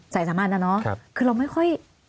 สามัญนะเนาะคือเราไม่ค่อย